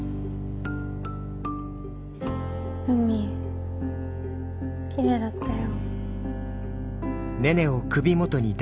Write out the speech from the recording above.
海きれいだったよ。